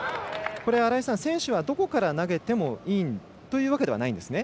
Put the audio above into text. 選手はどこから投げてもいいというわけではないんですね。